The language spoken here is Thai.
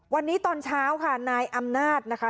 วันนี้ตอนเช้าค่ะนายอำนาจนะคะ